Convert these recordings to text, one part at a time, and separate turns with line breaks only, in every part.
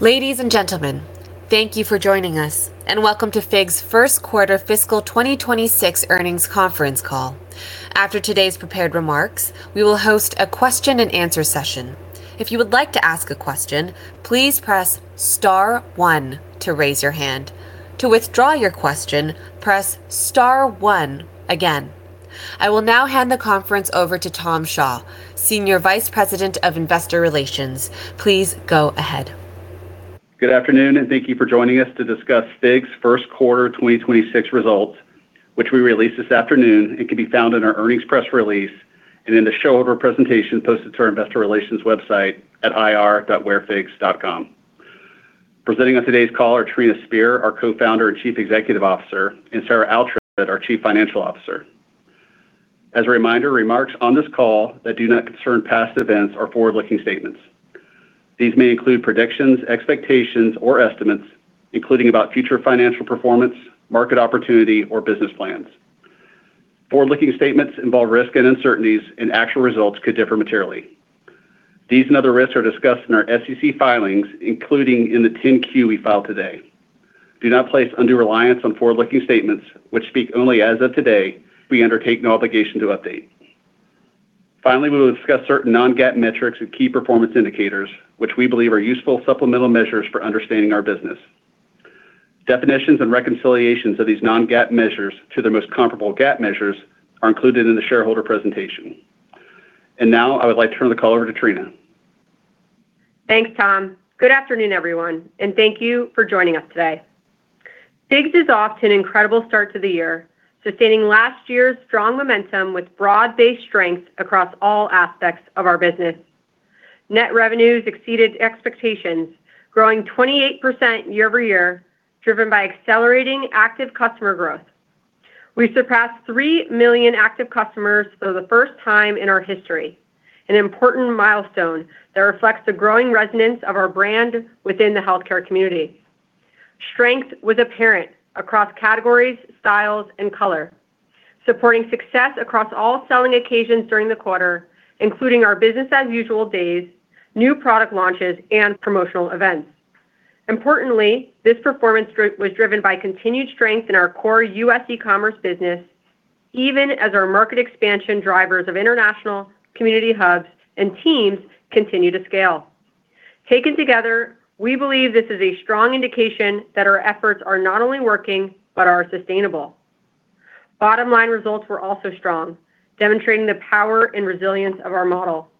Ladies and gentlemen, thank you for joining us and welcome to FIGS' First Quarter Fiscal 2026 Earnings Conference Call. After today's prepared remarks, we will host a question and answer session. I will now hand the conference over to Tom Shaw, Senior Vice President of Investor Relations. Please go ahead.
Good afternoon. Thank you for joining us to discuss FIGS' first quarter 2026 results, which we released this afternoon and can be found in our earnings press release and in the shareholder presentation posted to our investor relations website at ir.wearfigs.com. Presenting on today's call are Trina Spear, our Co-Founder and Chief Executive Officer, and Sarah Oughtred, our Chief Financial Officer. As a reminder, remarks on this call that do not concern past events are forward-looking statements. These may include predictions, expectations, or estimates, including about future financial performance, market opportunity, or business plans. Forward-looking statements involve risks and uncertainties, and actual results could differ materially. These and other risks are discussed in our SEC filings, including in the 10-Q we filed today. Do not place undue reliance on forward-looking statements, which speak only as of today. We undertake no obligation to update. Finally, we will discuss certain non-GAAP metrics and key performance indicators, which we believe are useful supplemental measures for understanding our business. Definitions and reconciliations of these non-GAAP measures to their most comparable GAAP measures are included in the shareholder presentation. Now, I would like to turn the call over to Trina.
Thanks, Tom. Good afternoon, everyone, thank you for joining us today. FIGS is off to an incredible start to the year, sustaining last year's strong momentum with broad-based strength across all aspects of our business. Net revenues exceeded expectations, growing 28% year-over-year, driven by accelerating active customer growth. We surpassed three million active customers for the first time in our history, an important milestone that reflects the growing resonance of our brand within the healthcare community. Strength was apparent across categories, styles, and color, supporting success across all selling occasions during the quarter, including our business as usual days, new product launches, and promotional events. Importantly, this performance was driven by continued strength in our core U.S. e-commerce business, even as our market expansion drivers of international, Community Hubs, and TEAMS continue to scale. Taken together, we believe this is a strong indication that our efforts are not only working, but are sustainable. Bottom line results were also strong, demonstrating the power and resilience of our model.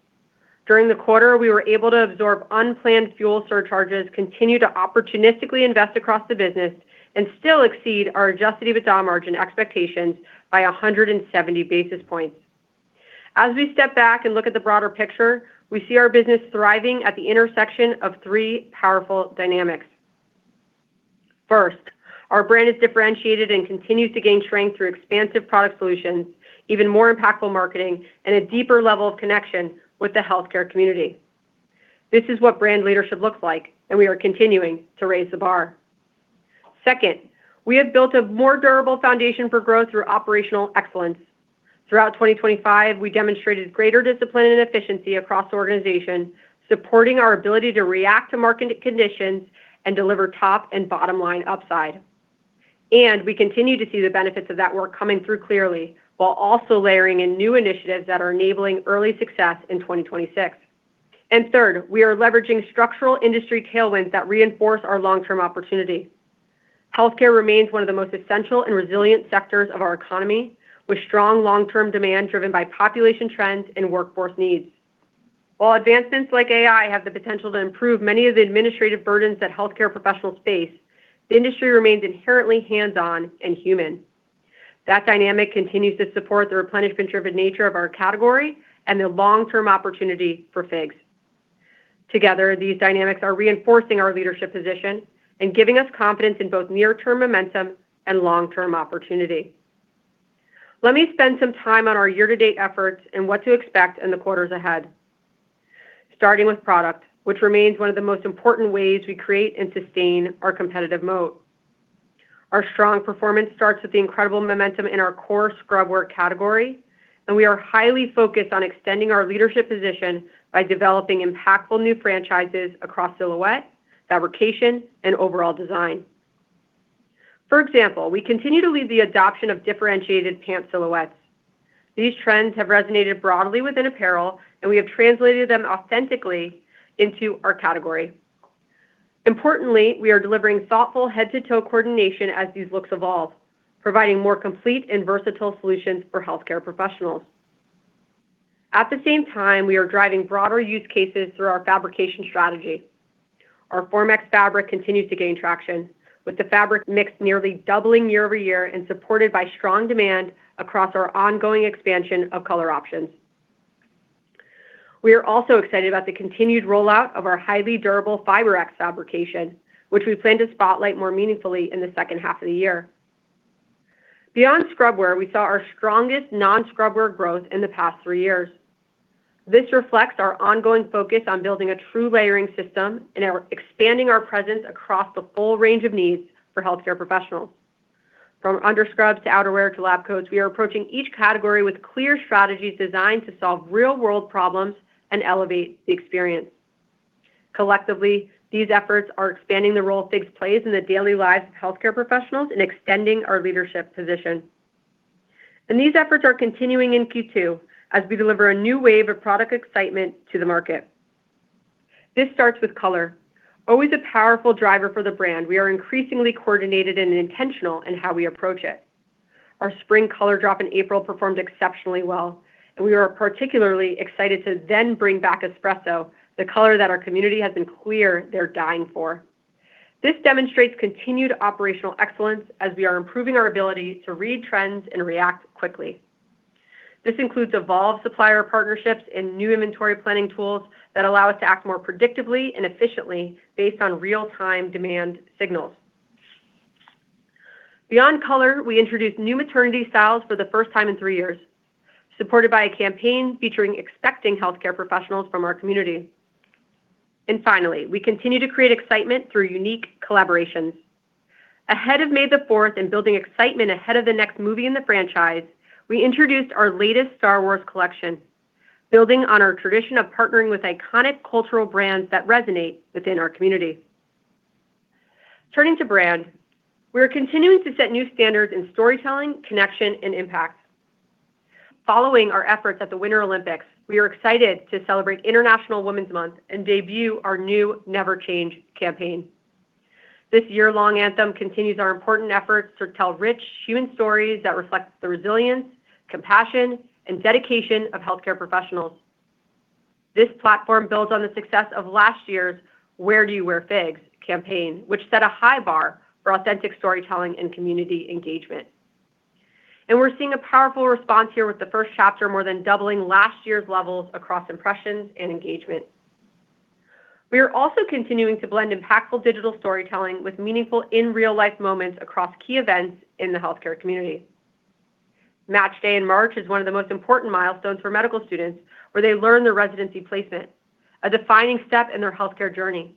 During the quarter, we were able to absorb unplanned fuel surcharges, continue to opportunistically invest across the business, and still exceed our adjusted EBITDA margin expectations by 170 basis points. As we step back and look at the broader picture, we see our business thriving at the intersection of three powerful dynamics. First, our brand is differentiated and continues to gain strength through expansive product solutions, even more impactful marketing, and a deeper level of connection with the healthcare community. This is what brand leadership looks like, and we are continuing to raise the bar. Second, we have built a more durable foundation for growth through operational excellence. Throughout 2025, we demonstrated greater discipline and efficiency across the organization, supporting our ability to react to market conditions and deliver top and bottom line upside. We continue to see the benefits of that work coming through clearly, while also layering in new initiatives that are enabling early success in 2026. Third, we are leveraging structural industry tailwinds that reinforce our long-term opportunity. Healthcare remains one of the most essential and resilient sectors of our economy, with strong long-term demand driven by population trends and workforce needs. While advancements like AI have the potential to improve many of the administrative burdens that healthcare professionals face, the industry remains inherently hands-on and human. That dynamic continues to support the replenishment-driven nature of our category and the long-term opportunity for FIGS. Together, these dynamics are reinforcing our leadership position and giving us confidence in both near-term momentum and long-term opportunity. Let me spend some time on our year-to-date efforts and what to expect in the quarters ahead. Starting with product, which remains one of the most important ways we create and sustain our competitive moat. Our strong performance starts with the incredible momentum in our core scrubwear category, and we are highly focused on extending our leadership position by developing impactful new franchises across silhouette, fabrication, and overall design. For example, we continue to lead the adoption of differentiated pant silhouettes. These trends have resonated broadly within apparel, and we have translated them authentically into our category. Importantly, we are delivering thoughtful head-to-toe coordination as these looks evolve, providing more complete and versatile solutions for healthcare professionals. At the same time, we are driving broader use cases through our fabrication strategy. Our FORMx fabric continues to gain traction, with the fabric mix nearly doubling year-over-year and supported by strong demand across our ongoing expansion of color options. We are also excited about the continued rollout of our highly durable FIBREx fabrication, which we plan to spotlight more meaningfully in the second half of the year. Beyond scrubwear, we saw our strongest non-scrubwear growth in the past three years. This reflects our ongoing focus on building a true layering system and expanding our presence across the full range of needs for healthcare professionals. From underscrubs to outerwear to lab coats, we are approaching each category with clear strategies designed to solve real-world problems and elevate the experience. Collectively, these efforts are expanding the role FIGS plays in the daily lives of healthcare professionals and extending our leadership position. These efforts are continuing in Q2 as we deliver a new wave of product excitement to the market. This starts with color. Always a powerful driver for the brand, we are increasingly coordinated and intentional in how we approach it. Our spring color drop in April performed exceptionally well, and we are particularly excited to then bring back Espresso, the color that our community has been clear they're dying for. This demonstrates continued operational excellence as we are improving our ability to read trends and react quickly. This includes evolved supplier partnerships and new inventory planning tools that allow us to act more predictively and efficiently based on real-time demand signals. Beyond color, we introduced new maternity styles for the first time in three years, supported by a campaign featuring expecting healthcare professionals from our community. Finally, we continue to create excitement through unique collaborations. Ahead of May the Fourth and building excitement ahead of the next movie in the franchise, we introduced our latest Star Wars collection, building on our tradition of partnering with iconic cultural brands that resonate within our community. Turning to brand, we are continuing to set new standards in storytelling, connection, and impact. Following our efforts at the Winter Olympics, we are excited to celebrate International Women's Month and debut our new Never Change campaign. This year-long anthem continues our important efforts to tell rich human stories that reflect the resilience, compassion, and dedication of healthcare professionals. This platform builds on the success of last year's Where Do You Wear FIGS campaign, which set a high bar for authentic storytelling and community engagement. We're seeing a powerful response here with the first chapter more than doubling last year's levels across impressions and engagement. We are also continuing to blend impactful digital storytelling with meaningful in real life moments across key events in the healthcare community. Match Day in March is one of the most important milestones for medical students, where they learn their residency placement, a defining step in their healthcare journey.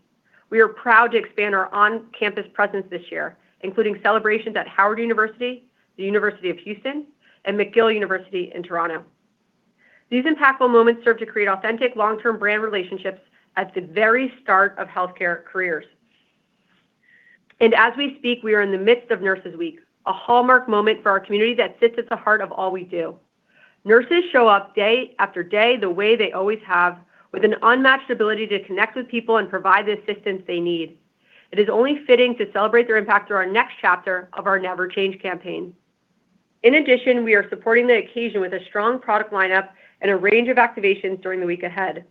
We are proud to expand our on-campus presence this year, including celebrations at Howard University, the University of Houston, and McGill University in Montreal. These impactful moments serve to create authentic long-term brand relationships at the very start of healthcare careers. As we speak, we are in the midst of Nurses Week, a hallmark moment for our community that sits at the heart of all we do. Nurses show up day after day the way they always have, with an unmatched ability to connect with people and provide the assistance they need. It is only fitting to celebrate their impact through our next chapter of our Never Change campaign. In addition, we are supporting the occasion with a strong product lineup and a range of activations during the week ahead,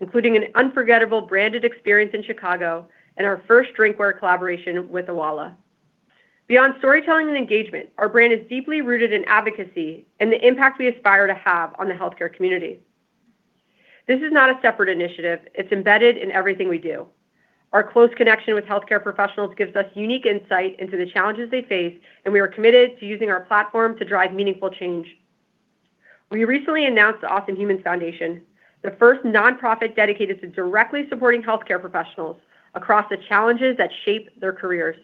including an unforgettable branded experience in Chicago and our first drinkware collaboration with Owala. Beyond storytelling and engagement, our brand is deeply rooted in advocacy and the impact we aspire to have on the healthcare community. This is not a separate initiative. It's embedded in everything we do. Our close connection with healthcare professionals gives us unique insight into the challenges they face, and we are committed to using our platform to drive meaningful change. We recently announced the Awesome Humans Foundation, the first nonprofit dedicated to directly supporting healthcare professionals across the challenges that shape their careers.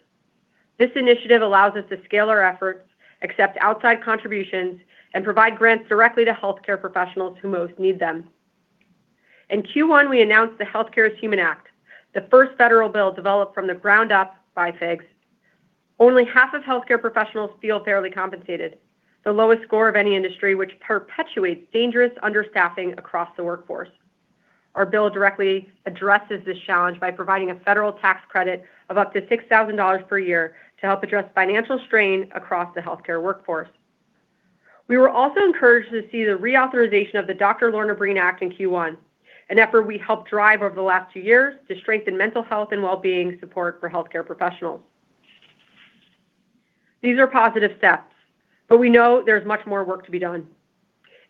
This initiative allows us to scale our efforts, accept outside contributions, and provide grants directly to healthcare professionals who most need them. In Q1, we announced the Healthcare Is Human Act, the first federal bill developed from the ground up by FIGS. Only half of healthcare professionals feel fairly compensated, the lowest score of any industry, which perpetuates dangerous understaffing across the workforce. Our bill directly addresses this challenge by providing a federal tax credit of up to $6,000 per year to help address financial strain across the healthcare workforce. We were also encouraged to see the reauthorization of the Dr. Lorna Breen Act in Q1, an effort we helped drive over the last two years to strengthen mental health and well-being support for healthcare professionals. These are positive steps, but we know there's much more work to be done.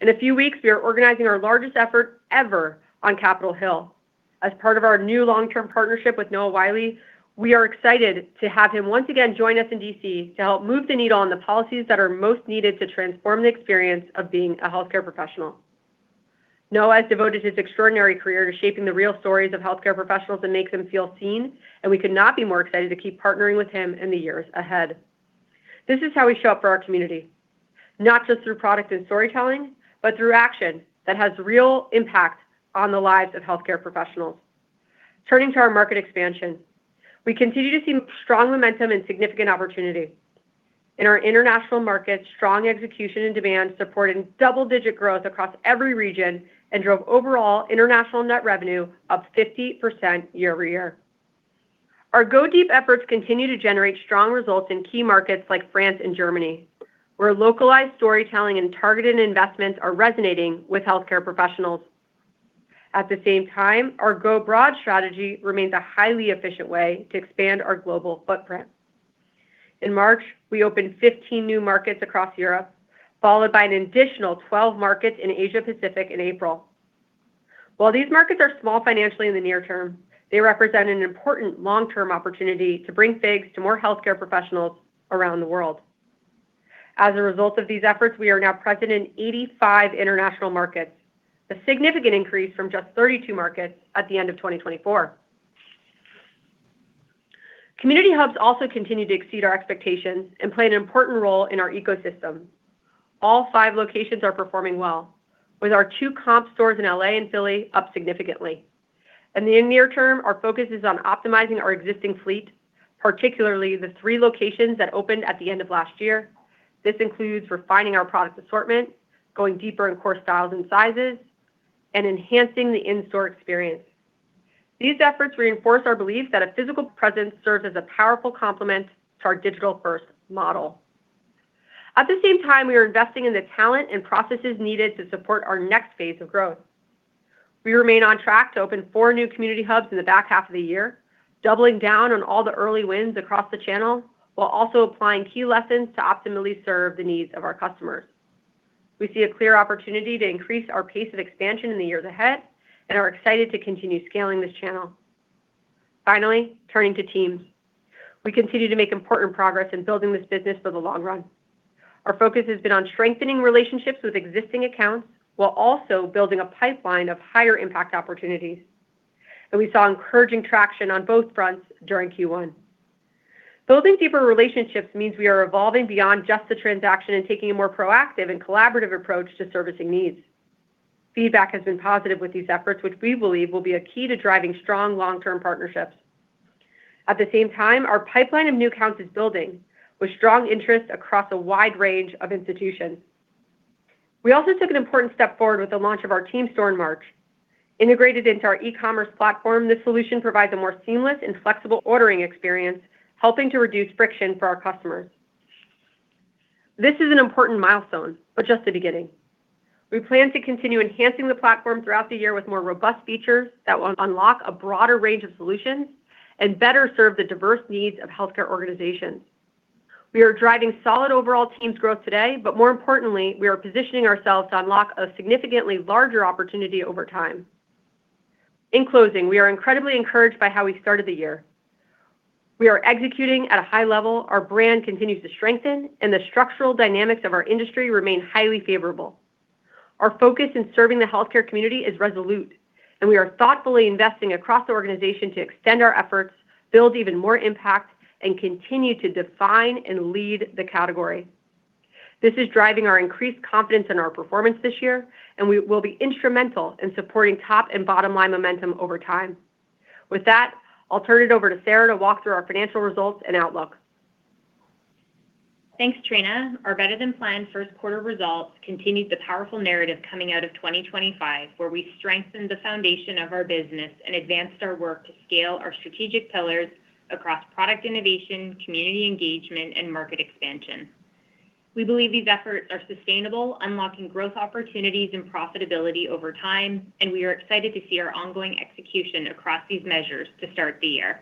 In a few weeks, we are organizing our largest effort ever on Capitol Hill. As part of our new long-term partnership with Noah Wyle, we are excited to have him once again join us in D.C. to help move the needle on the policies that are most needed to transform the experience of being a healthcare professional. Noah has devoted his extraordinary career to shaping the real stories of healthcare professionals and make them feel seen, and we could not be more excited to keep partnering with him in the years ahead. This is how we show up for our community, not just through product and storytelling, but through action that has real impact on the lives of healthcare professionals. Turning to our market expansion, we continue to see strong momentum and significant opportunity. In our international markets, strong execution and demand supported double-digit growth across every region and drove overall international net revenue up 50% year-over-year. Our go deep efforts continue to generate strong results in key markets like France and Germany, where localized storytelling and targeted investments are resonating with healthcare professionals. At the same time, our go broad strategy remains a highly efficient way to expand our global footprint. In March, we opened 15 new markets across Europe, followed by an additional 12 markets in Asia Pacific in April. While these markets are small financially in the near term, they represent an important long-term opportunity to bring FIGS to more healthcare professionals around the world. As a result of these efforts, we are now present in 85 international markets, a significant increase from just 32 markets at the end of 2024. Community Hubs also continue to exceed our expectations and play an important role in our ecosystem. All five locations are performing well, with our two comp stores in L.A. and Philly up significantly. In the near term, our focus is on optimizing our existing fleet, particularly the three locations that opened at the end of last year. This includes refining our product assortment, going deeper in core styles and sizes, and enhancing the in-store experience. These efforts reinforce our belief that a physical presence serves as a powerful complement to our digital-first model. At the same time, we are investing in the talent and processes needed to support our next phase of growth. We remain on track to open four new Community Hubs in the back half of the year, doubling down on all the early wins across the channel, while also applying key lessons to optimally serve the needs of our customers. We see a clear opportunity to increase our pace of expansion in the years ahead and are excited to continue scaling this channel. Turning to TEAMS. We continue to make important progress in building this business for the long run. Our focus has been on strengthening relationships with existing accounts while also building a pipeline of higher impact opportunities. We saw encouraging traction on both fronts during Q1. Building deeper relationships means we are evolving beyond just the transaction and taking a more proactive and collaborative approach to servicing needs. Feedback has been positive with these efforts, which we believe will be a key to driving strong long-term partnerships. At the same time, our pipeline of new accounts is building with strong interest across a wide range of institutions. We also took an important step forward with the launch of our team store in March. Integrated into our e-commerce platform, this solution provides a more seamless and flexible ordering experience, helping to reduce friction for our customers. This is an important milestone, but just the beginning. We plan to continue enhancing the platform throughout the year with more robust features that will unlock a broader range of solutions and better serve the diverse needs of healthcare organizations. We are driving solid overall TEAMS growth today, but more importantly, we are positioning ourselves to unlock a significantly larger opportunity over time. In closing, we are incredibly encouraged by how we started the year. We are executing at a high level, our brand continues to strengthen, and the structural dynamics of our industry remain highly favorable. Our focus in serving the healthcare community is resolute, and we are thoughtfully investing across the organization to extend our efforts, build even more impact, and continue to define and lead the category. This is driving our increased confidence in our performance this year, and will be instrumental in supporting top and bottom line momentum over time. With that, I'll turn it over to Sarah to walk through our financial results and outlook.
Thanks, Trina. Our better-than-planned first quarter results continued the powerful narrative coming out of 2025, where we strengthened the foundation of our business and advanced our work to scale our strategic pillars across product innovation, community engagement, and market expansion. We believe these efforts are sustainable, unlocking growth opportunities and profitability over time, and we are excited to see our ongoing execution across these measures to start the year.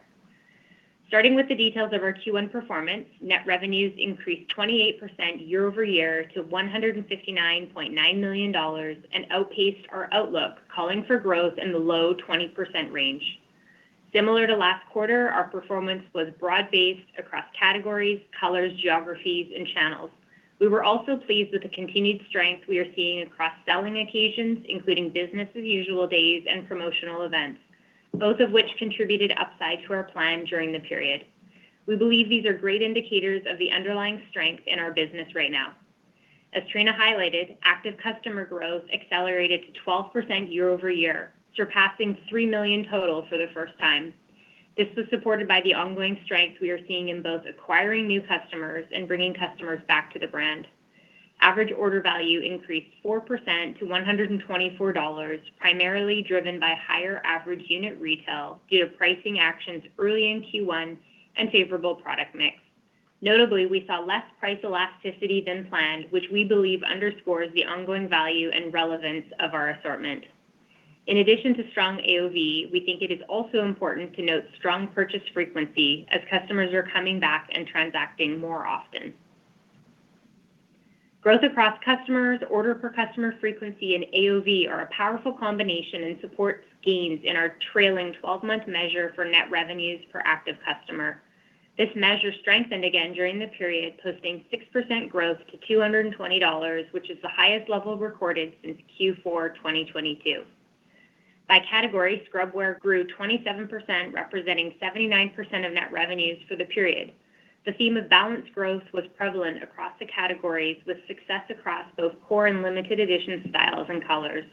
Starting with the details of our Q1 performance, net revenues increased 28% year-over-year to $159.9 million and outpaced our outlook, calling for growth in the low 20% range. Similar to last quarter, our performance was broad-based across categories, colors, geographies, and channels. We were also pleased with the continued strength we are seeing across selling occasions, including business as usual days and promotional events, both of which contributed upside to our plan during the period. We believe these are great indicators of the underlying strength in our business right now. As Trina highlighted, active customer growth accelerated to 12% year-over-year, surpassing three million total for the first time. This was supported by the ongoing strength we are seeing in both acquiring new customers and bringing customers back to the brand. Average order value increased 4% to $124, primarily driven by higher average unit retail due to pricing actions early in Q1 and favorable product mix. Notably, we saw less price elasticity than planned, which we believe underscores the ongoing value and relevance of our assortment. In addition to strong AOV, we think it is also important to note strong purchase frequency as customers are coming back and transacting more often. Growth across customers, order per customer frequency, and AOV are a powerful combination and supports gains in our trailing twelve-month measure for net revenues per active customer. This measure strengthened again during the period, posting 6% growth to $220, which is the highest level recorded since Q4 2022. By category, scrubwear grew 27%, representing 79% of net revenues for the period. The theme of balanced growth was prevalent across the categories, with success across both core and limited edition styles and colors.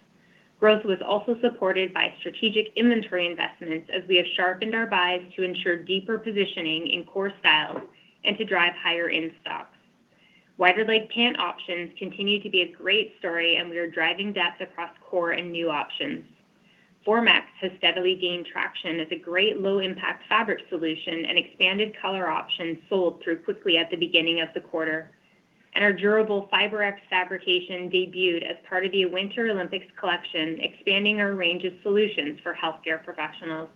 Growth was also supported by strategic inventory investments, as we have sharpened our buys to ensure deeper positioning in core styles and to drive higher in-stock. Wider leg pant options continue to be a great story, and we are driving depth across core and new options. FORMx has steadily gained traction as a great low-impact fabric solution, expanded color options sold through quickly at the beginning of the quarter. Our durable FIBREx fabrication debuted as part of the Winter Olympics collection, expanding our range of solutions for healthcare professionals.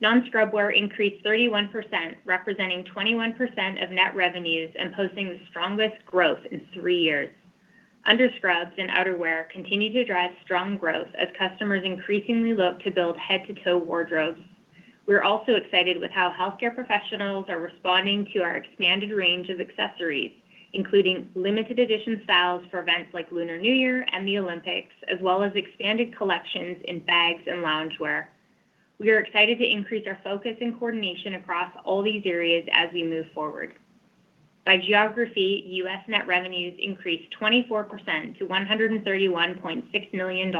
Non-scrubwear increased 31%, representing 21% of net revenues and posting the strongest growth in three years. Underscrubs and outerwear continue to drive strong growth as customers increasingly look to build head-to-toe wardrobes. We're also excited with how healthcare professionals are responding to our expanded range of accessories, including limited edition styles for events like Lunar New Year and the Olympics, as well as expanded collections in bags and loungewear. We are excited to increase our focus and coordination across all these areas as we move forward. By geography, U.S. net revenues increased 24% to $131.6 million,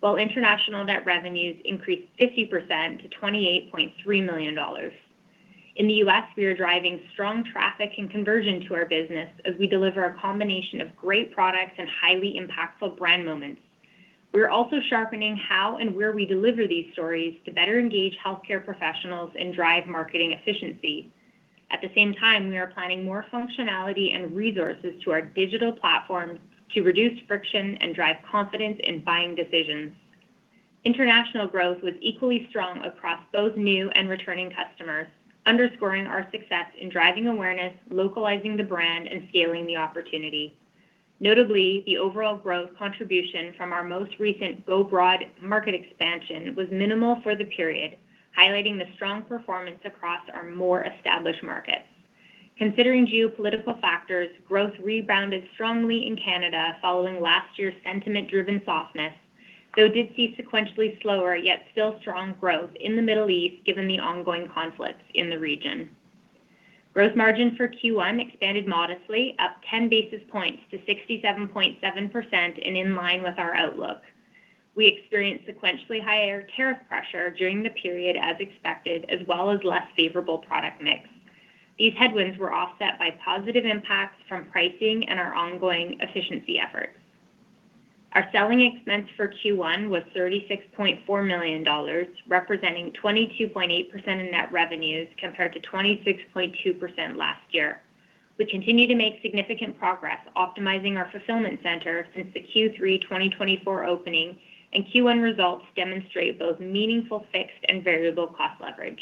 while international net revenues increased 50% to $28.3 million. In the U.S., we are driving strong traffic and conversion to our business as we deliver a combination of great products and highly impactful brand moments. We are also sharpening how and where we deliver these stories to better engage healthcare professionals and drive marketing efficiency. At the same time, we are planning more functionality and resources to our digital platforms to reduce friction and drive confidence in buying decisions. International growth was equally strong across both new and returning customers, underscoring our success in driving awareness, localizing the brand, and scaling the opportunity. Notably, the overall growth contribution from our most recent go broad market expansion was minimal for the period, highlighting the strong performance across our more established markets. Considering geopolitical factors, growth rebounded strongly in Canada following last year's sentiment-driven softness, though did see sequentially slower yet still strong growth in the Middle East given the ongoing conflicts in the region. Gross margin for Q1 expanded modestly, up 10 basis points to 67.7% and in line with our outlook. We experienced sequentially higher tariff pressure during the period as expected, as well as less favorable product mix. These headwinds were offset by positive impacts from pricing and our ongoing efficiency efforts. Our selling expense for Q1 was $36.4 million, representing 22.8% in net revenues compared to 26.2% last year. We continue to make significant progress optimizing our fulfillment center since the Q3 2024 opening, and Q1 results demonstrate both meaningful fixed and variable cost leverage.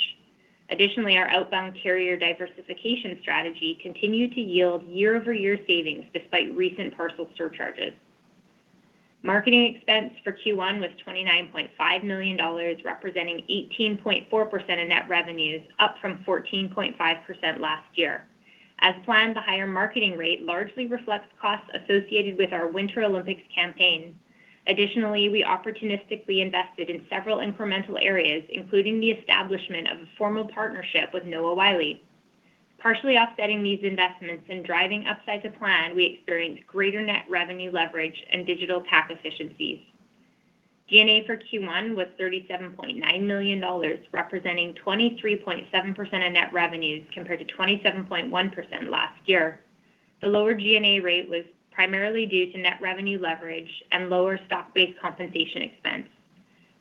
Additionally, our outbound carrier diversification strategy continued to yield year-over-year savings despite recent parcel surcharges. Marketing expense for Q1 was $29.5 million, representing 18.4% in net revenues, up from 14.5% last year. As planned, the higher marketing rate largely reflects costs associated with our Winter Olympics campaign. Additionally, we opportunistically invested in several incremental areas, including the establishment of a formal partnership with Noah Wyle. Partially offsetting these investments and driving upside to plan, we experienced greater net revenue leverage and digital tax efficiencies. G&A for Q1 was $37.9 million, representing 23.7% of net revenues compared to 27.1% last year. The lower G&A rate was primarily due to net revenue leverage and lower stock-based compensation expense.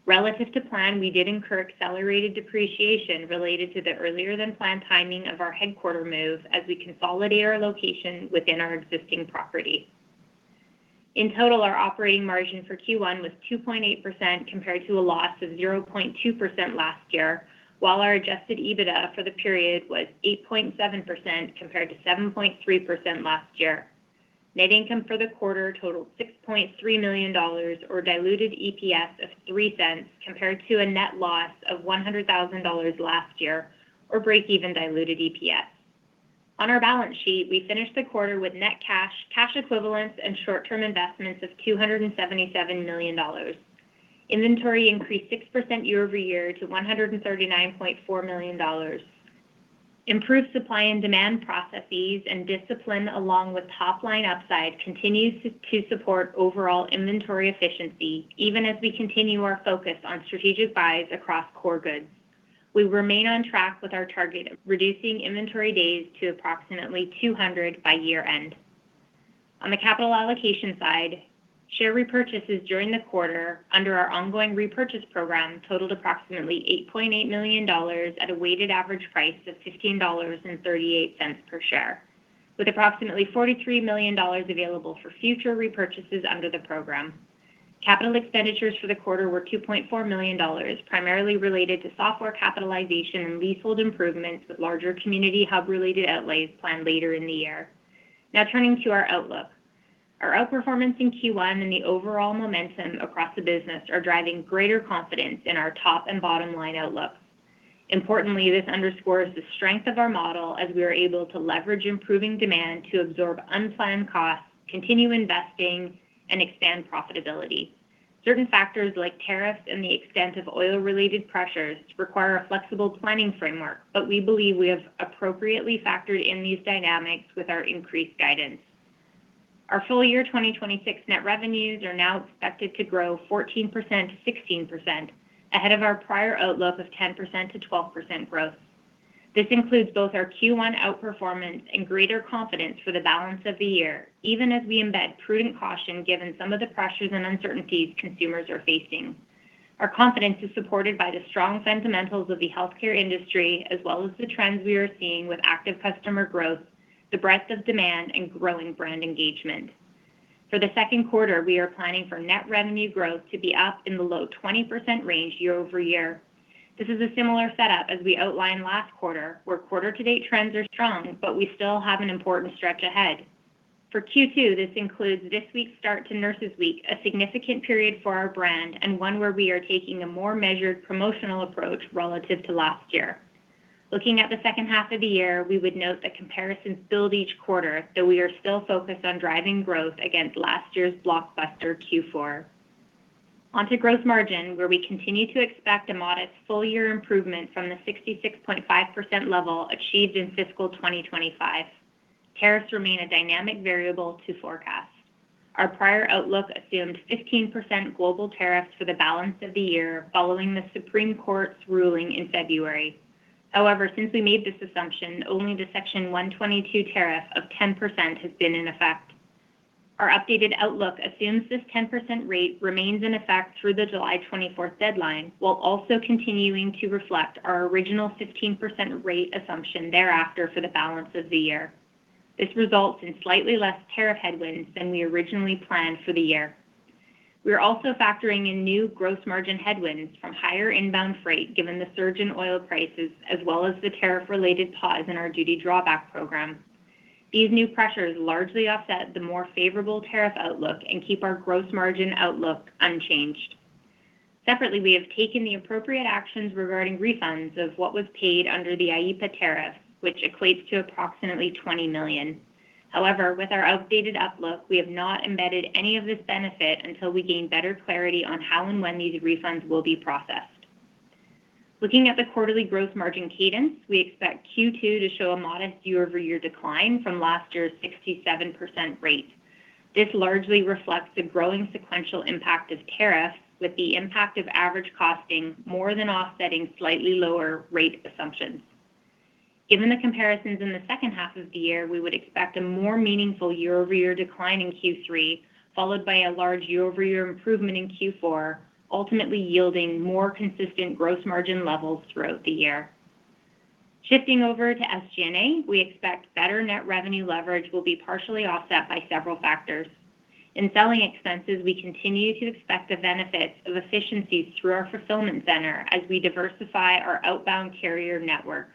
Relative to plan, we did incur accelerated depreciation related to the earlier than planned timing of our headquarter move as we consolidate our location within our existing property. In total, our operating margin for Q1 was 2.8% compared to a loss of 0.2% last year, while our adjusted EBITDA for the period was 8.7% compared to 7.3% last year. Net income for the quarter totaled $6.3 million or diluted EPS of $0.03 compared to a net loss of $100,000 last year, or break-even diluted EPS. On our balance sheet, we finished the quarter with net cash equivalents and short-term investments of $277 million. Inventory increased 6% year-over-year to $139.4 million. Improved supply and demand processes and discipline along with top-line upside continues to support overall inventory efficiency even as we continue our focus on strategic buys across core goods. We remain on track with our target of reducing inventory days to approximately 200 by year end. On the capital allocation side, share repurchases during the quarter under our ongoing repurchase program totaled approximately $8.8 million at a weighted average price of $15.38 per share, with approximately $43 million available for future repurchases under the program. Capital expenditures for the quarter were $2.4 million, primarily related to software capitalization and leasehold improvements, with larger Community Hub-related outlays planned later in the year. Now turning to our outlook. Our outperformance in Q1 and the overall momentum across the business are driving greater confidence in our top and bottom line outlook. Importantly, this underscores the strength of our model as we are able to leverage improving demand to absorb unplanned costs, continue investing, and expand profitability. Certain factors like tariffs and the extent of oil-related pressures require a flexible planning framework, but we believe we have appropriately factored in these dynamics with our increased guidance. Our full year 2026 net revenues are now expected to grow 14%-16%, ahead of our prior outlook of 10%-12% growth. This includes both our Q1 outperformance and greater confidence for the balance of the year, even as we embed prudent caution given some of the pressures and uncertainties consumers are facing. Our confidence is supported by the strong fundamentals of the healthcare industry as well as the trends we are seeing with active customer growth, the breadth of demand, and growing brand engagement. For the second quarter, we are planning for net revenue growth to be up in the low 20% range year-over-year. This is a similar setup as we outlined last quarter, where quarter-to-date trends are strong, but we still have an important stretch ahead. For Q2, this includes this week's start to Nurses Week, a significant period for our brand and one where we are taking a more measured promotional approach relative to last year. Looking at the second half of the year, we would note that comparisons build each quarter, though we are still focused on driving growth against last year's blockbuster Q4. Onto gross margin, where we continue to expect a modest full year improvement from the 66.5% level achieved in fiscal 2025. Tariffs remain a dynamic variable to forecast. Our prior outlook assumed 15% global tariffs for the balance of the year following the Supreme Court's ruling in February. Since we made this assumption, only the Section 122 tariff of 10% has been in effect. Our updated outlook assumes this 10% rate remains in effect through the July 24th deadline, while also continuing to reflect our original 15% rate assumption thereafter for the balance of the year. This results in slightly less tariff headwinds than we originally planned for the year. We are also factoring in new gross margin headwinds from higher inbound freight given the surge in oil prices, as well as the tariff-related pause in our duty drawback program. These new pressures largely offset the more favorable tariff outlook and keep our gross margin outlook unchanged. We have taken the appropriate actions regarding refunds of what was paid under the IEEPA tariff, which equates to approximately $20 million. With our updated outlook, we have not embedded any of this benefit until we gain better clarity on how and when these refunds will be processed. Looking at the quarterly gross margin cadence, we expect Q2 to show a modest year-over-year decline from last year's 67% rate. This largely reflects the growing sequential impact of tariff, with the impact of average costing more than offsetting slightly lower rate assumptions. Given the comparisons in the second half of the year, we would expect a more meaningful year-over-year decline in Q3, followed by a large year-over-year improvement in Q4, ultimately yielding more consistent gross margin levels throughout the year. Shifting over to SG&A, we expect better net revenue leverage will be partially offset by several factors. In selling expenses, we continue to expect the benefits of efficiencies through our fulfillment center as we diversify our outbound carrier network.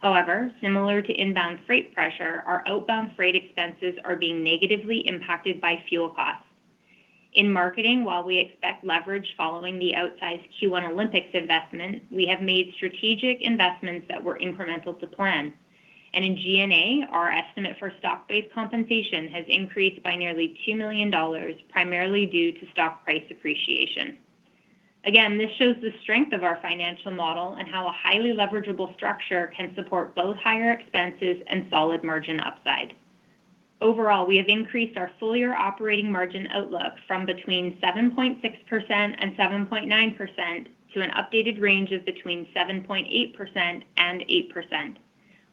However, similar to inbound freight pressure, our outbound freight expenses are being negatively impacted by fuel costs. In marketing, while we expect leverage following the outsized Q1 Olympics investment, we have made strategic investments that were incremental to plan. In G&A, our estimate for stock-based compensation has increased by nearly $2 million, primarily due to stock price appreciation. This shows the strength of our financial model and how a highly leverageable structure can support both higher expenses and solid margin upside. Overall, we have increased our full-year operating margin outlook from between 7.6% and 7.9% to an updated range of between 7.8% and 8%.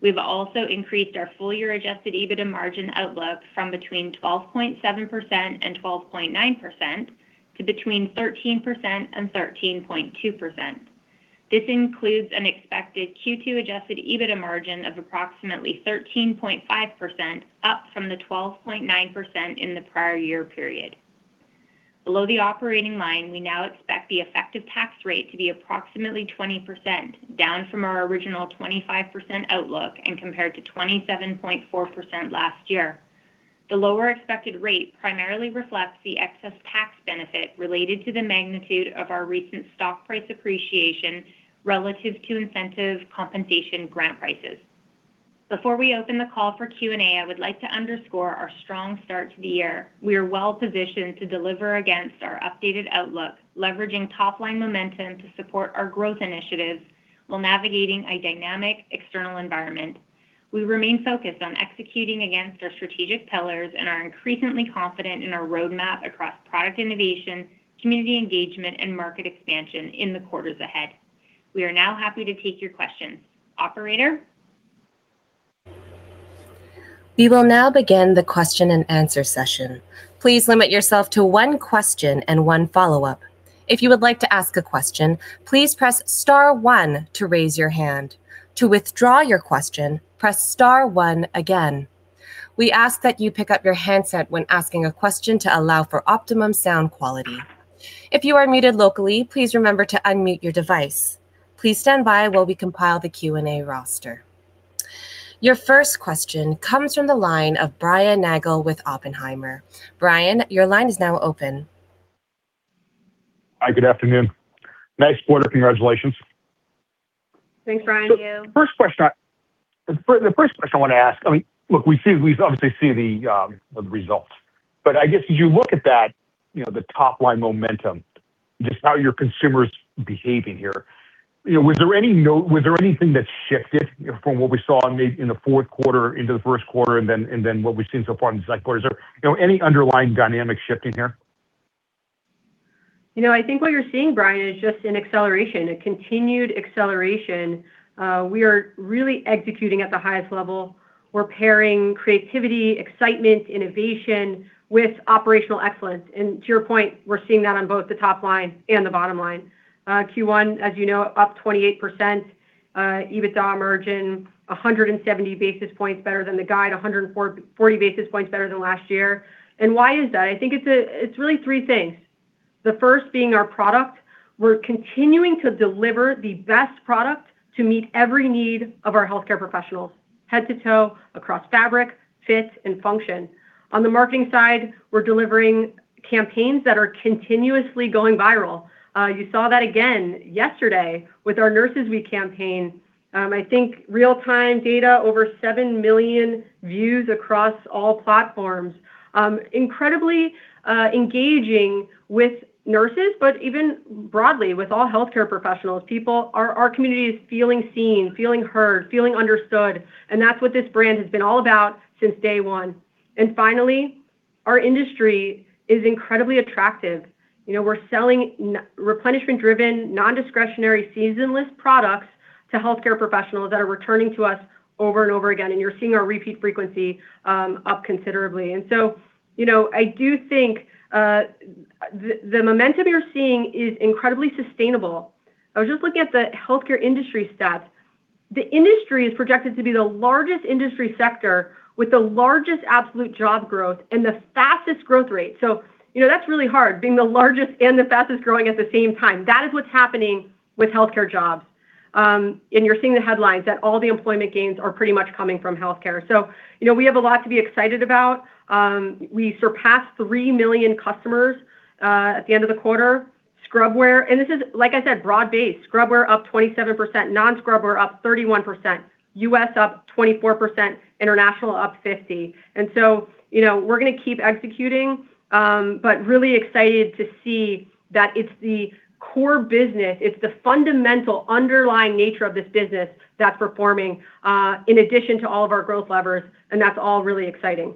We've also increased our full-year adjusted EBITDA margin outlook from between 12.7% and 12.9% to between 13% and 13.2%. This includes an expected Q2 adjusted EBITDA margin of approximately 13.5%, up from the 12.9% in the prior year period. Below the operating line, we now expect the effective tax rate to be approximately 20%, down from our original 25% outlook and compared to 27.4% last year. The lower expected rate primarily reflects the excess tax benefit related to the magnitude of our recent stock price appreciation relative to incentive compensation grant prices. Before we open the call for Q&A, I would like to underscore our strong start to the year. We are well positioned to deliver against our updated outlook, leveraging top-line momentum to support our growth initiatives while navigating a dynamic external environment. We remain focused on executing against our strategic pillars and are increasingly confident in our roadmap across product innovation, community engagement, and market expansion in the quarters ahead. We are now happy to take your questions. Operator?
Your first question comes from the line of Brian Nagel with Oppenheimer. Brian, your line is now open.
Hi, good afternoon. Nice quarter. Congratulations.
Thanks, Brian.
The first question I wanna ask, I mean, look, we obviously see the results. I guess, as you look at that, you know, the top-line momentum, just how your consumer's behaving here, you know, was there anything that shifted from what we saw maybe in the fourth quarter into the first quarter and then what we've seen so far in the second quarter? Is there, you know, any underlying dynamic shifting here?
You know, I think what you're seeing, Brian, is just an acceleration, a continued acceleration. We are really executing at the highest level. We're pairing creativity, excitement, innovation with operational excellence. To your point, we're seeing that on both the top line and the bottom line. Q1, as you know, up 28%. EBITDA margin, 170 basis points better than the guide, 140 basis points better than last year. Why is that? I think it's really three things. The first being our product. We're continuing to deliver the best product to meet every need of our healthcare professionals, head to toe, across fabric, fit, and function. On the marketing side, we're delivering Campaigns that are continuously going viral. You saw that again yesterday with our Nurses Week campaign. I think real-time data, over seven million views across all platforms. Incredibly engaging with nurses, but even broadly with all healthcare professionals. Our community is feeling seen, feeling heard, feeling understood, that's what this brand has been all about since day one. Finally, our industry is incredibly attractive. You know, we're selling replenishment driven, non-discretionary, seasonless products to healthcare professionals that are returning to us over and over again, and you're seeing our repeat frequency up considerably. You know, I do think the momentum you're seeing is incredibly sustainable. I was just looking at the healthcare industry stats. The industry is projected to be the largest industry sector with the largest absolute job growth and the fastest growth rate. You know, that's really hard, being the largest and the fastest-growing at the same time. That is what's happening with healthcare jobs. You're seeing the headlines that all the employment gains are pretty much coming from healthcare. You know, we have a lot to be excited about. We surpassed three million customers at the end of the quarter. Scrubwear, this is, like I said, broad-based. Scrubwear up 27%. Non-scrubwear up 31%. U.S. up 24%. International up 50%. You know, we're gonna keep executing. Really excited to see that it's the core business, it's the fundamental underlying nature of this business that's performing in addition to all of our growth levers, that's all really exciting.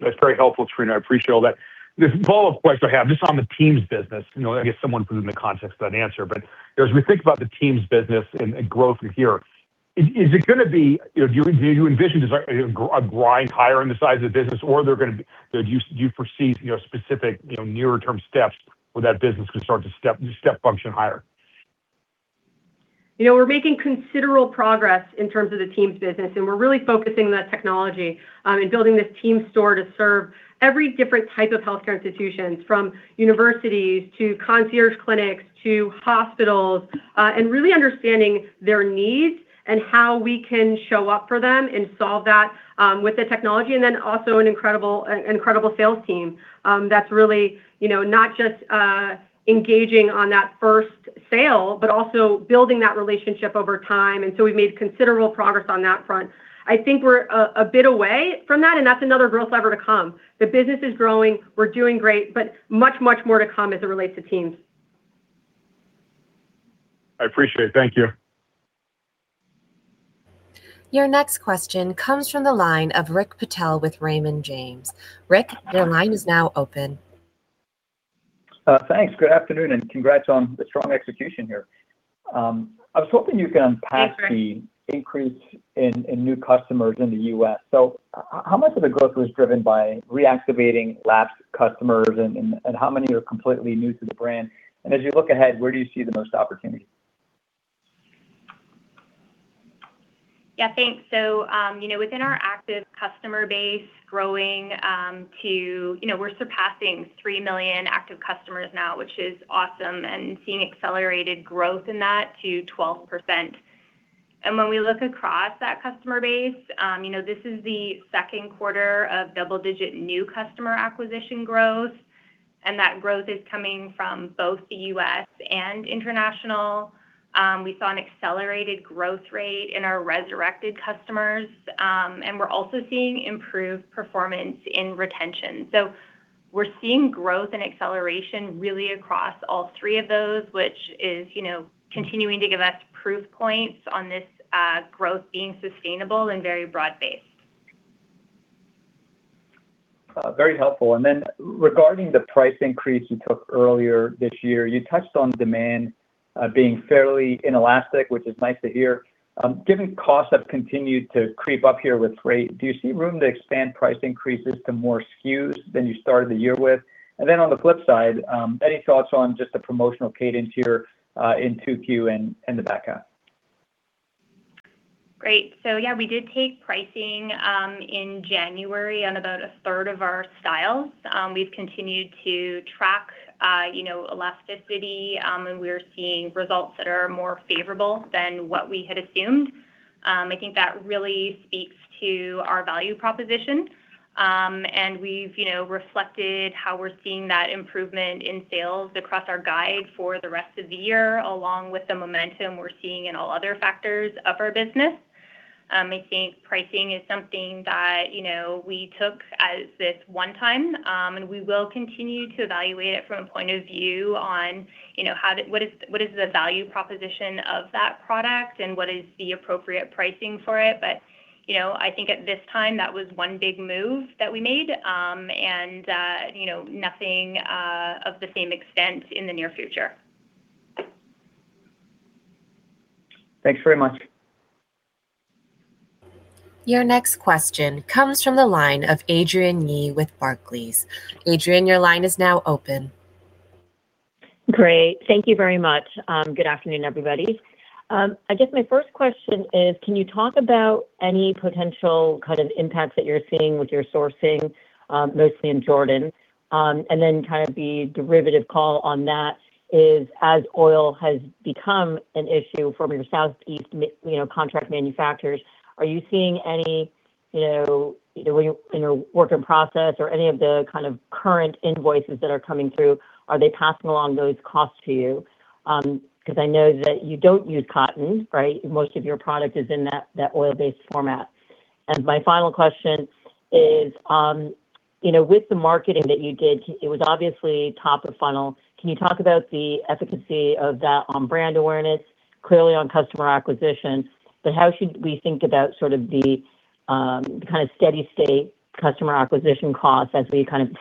That's very helpful, Trina. I appreciate all that. The follow-up question I have, just on the TEAMS business, you know, I guess someone put it in the context of that answer. You know, as we think about the TEAMS business and growth here, is it gonna be, you know, do you envision, is that a grind higher in the size of the business, or are there gonna be, do you foresee, you know, specific, you know, nearer term steps where that business can start to step function higher?
You know, we're making considerable progress in terms of the TEAMS business. We're really focusing that technology in building this team store to serve every different type of healthcare institutions, from universities to concierge clinics to hospitals, and really understanding their needs and how we can show up for them and solve that with the technology. Also an incredible sales team that's really, you know, not just engaging on that first sale, but also building that relationship over time. We've made considerable progress on that front. I think we're a bit away from that. That's another growth lever to come. The business is growing. We're doing great. Much, much more to come as it relates to TEAMS.
I appreciate it. Thank you.
Your next question comes from the line of Rick Patel with Raymond James. Rick, your line is now open.
Thanks. Good afternoon, congrats on the strong execution here. I was hoping you can unpack.
Thanks, Rick.
Increase in new customers in the U.S. How much of the growth was driven by reactivating lapsed customers, and how many are completely new to the brand? As you look ahead, where do you see the most opportunity?
Thanks. Within our active customer base growing, you know, we're surpassing three million active customers now, which is awesome, and seeing accelerated growth in that to 12%. When we look across that customer base, you know, this is the second quarter of double-digit new customer acquisition growth, and that growth is coming from both the U.S. and international. We saw an accelerated growth rate in our resurrected customers, and we're also seeing improved performance in retention. We're seeing growth and acceleration really across all three of those, which is, you know, continuing to give us proof points on this growth being sustainable and very broad based.
Very helpful. Then regarding the price increase you took earlier this year, you touched on demand, being fairly inelastic, which is nice to hear. Given costs have continued to creep up here with rate, do you see room to expand price increases to more SKUs than you started the year with? Then on the flip side, any thoughts on just the promotional cadence here, in 2Q and the backup?
Great. Yeah, we did take pricing in January on about a third of our styles. We've continued to track, you know, elasticity, and we're seeing results that are more favorable than what we had assumed. I think that really speaks to our value proposition. And we've, you know, reflected how we're seeing that improvement in sales across our guide for the rest of the year, along with the momentum we're seeing in all other factors of our business. I think pricing is something that, you know, we took as this one time, and we will continue to evaluate it from a point of view on, you know, how what is the value proposition of that product, and what is the appropriate pricing for it? You know, I think at this time, that was one big move that we made, and, you know, nothing of the same extent in the near future.
Thanks very much.
Your next question comes from the line of Adrienne Yih with Barclays. Adrienne, your line is now open.
Great. Thank you very much. Good afternoon, everybody. I guess my first question is, can you talk about any potential kind of impacts that you're seeing with your sourcing, mostly in Jordan? Then kind of the derivative call on that is, as oil has become an issue from your southeast, you know, contract manufacturers, are you seeing any, you know, either when you're in a work in process or any of the kind of current invoices that are coming through, are they passing along those costs to you? Because I know that you don't use cotton, right? Most of your product is in that oil-based format. My final question is, you know, with the marketing that you did, it was obviously top of funnel. Can you talk about the efficacy of that on brand awareness? Clearly on customer acquisition, but how should we think about sort of the, you know, kind of steady state customer acquisition costs as we kind of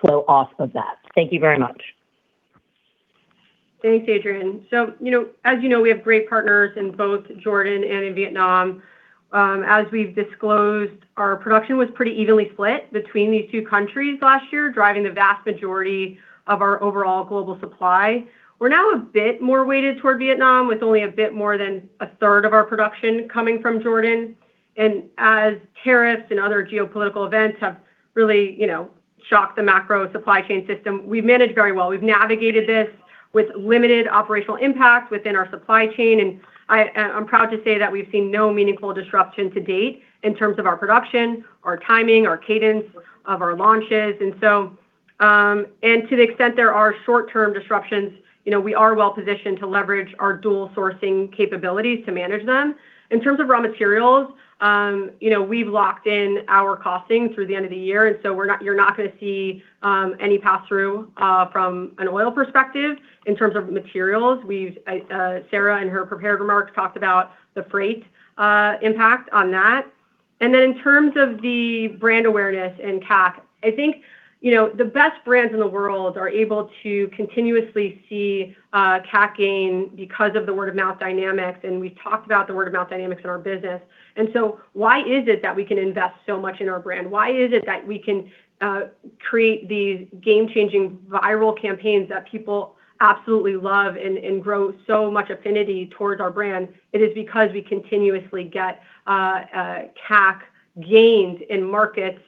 flow off of that? Thank you very much.
Thanks, Adrienne. You know, as you know, we have great partners in both Jordan and in Vietnam. As we've disclosed, our production was pretty evenly split between these two countries last year, driving the vast majority of our overall global supply. We're now a bit more weighted toward Vietnam, with only a bit more than a third of our production coming from Jordan. As tariffs and other geopolitical events have really, you know, shocked the macro supply chain system, we've managed very well. We've navigated this with limited operational impact within our supply chain, and I'm proud to say that we've seen no meaningful disruption to date in terms of our production, our timing, our cadence of our launches. To the extent there are short-term disruptions, you know, we are well-positioned to leverage our dual sourcing capabilities to manage them. In terms of raw materials, you know, we've locked in our costing through the end of the year, and so we're not gonna see any pass-through from an oil perspective. In terms of materials, we've Sarah, in her prepared remarks, talked about the freight impact on that. In terms of the brand awareness and CAC, I think, you know, the best brands in the world are able to continuously see CAC gain because of the word-of-mouth dynamics, and we've talked about the word-of-mouth dynamics in our business. Why is it that we can invest so much in our brand? Why is it that we can create these game-changing viral campaigns that people absolutely love and grow so much affinity towards our brand? It is because we continuously get CAC gains in markets